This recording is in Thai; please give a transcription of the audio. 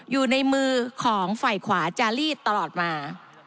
อยู่ในมือของฝ่ายขวาจารีดตลอดมา